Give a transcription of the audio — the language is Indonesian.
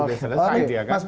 sudah selesai dia kan